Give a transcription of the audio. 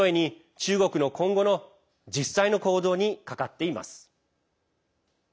中国の今後の実際の行動にかかっています。